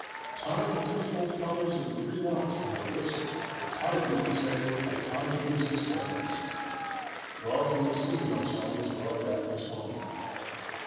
_ "Tie the threefold colors in three knots, Amaryllis, but tie them; and say, 'I tie Venus's bands.' "_Draw from the city, my songs, draw Daphnis home.